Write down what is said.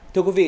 thưa quý vị